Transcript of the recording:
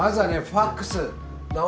ファクス。